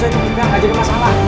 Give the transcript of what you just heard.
lalu kita aja nggak ada masalah